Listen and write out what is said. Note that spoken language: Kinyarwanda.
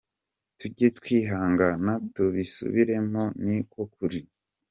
Tujye twihangana tubisubiremo ni ko kuri.